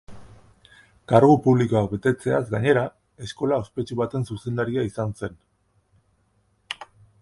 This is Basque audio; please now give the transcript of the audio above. Kargu publikoak betetzeaz gainera, eskola ospetsu baten zuzendaria izan zen.